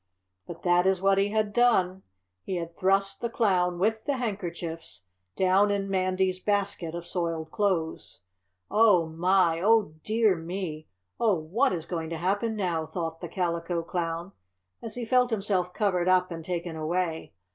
But that is what he had done. He had thrust the Clown, with the handkerchiefs, down in Mandy's basket of soiled clothes. "Oh, my! Oh, dear me! Oh, what is going to happen now?" thought the Calico Clown as he felt himself covered up and taken away.